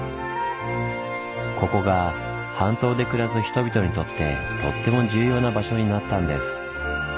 ここが半島で暮らす人々にとってとっても重要な場所になったんです。